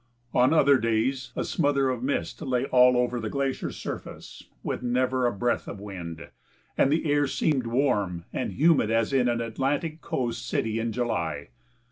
On other days a smother of mist lay all over the glacier surface, with never a breath of wind, and the air seemed warm and humid as in an Atlantic coast city in July.